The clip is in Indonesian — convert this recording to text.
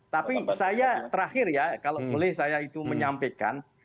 tapi saya terakhir ya kalau boleh saya itu menyampaikan